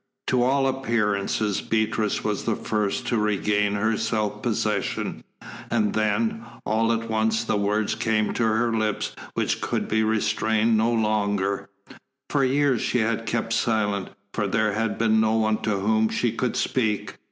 To all appearances Beatrice was the first to regain her self possession. And then, all at once the words came to her lips which could be restrained no longer. For years she had kept silence, for there had been no one to whom she could speak.